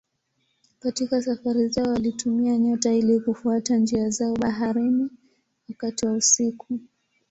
Katika safari zao walitumia nyota ili kufuata njia zao baharini wakati wa usiku.